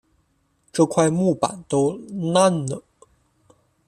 这块木板都烂了